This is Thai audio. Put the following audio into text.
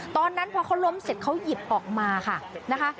ตอนนั้นพอเขาล้มเสร็จเขาหยิบออกมาค่ะนะคะ